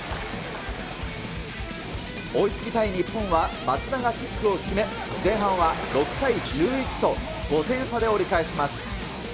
追いつきたい日本は、松田がキックを決め、前半は６対１１と、５点差で折り返します。